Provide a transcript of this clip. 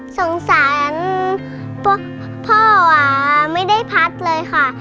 สงสารพวกพ่อไม่ได้พัดเลยค่ะ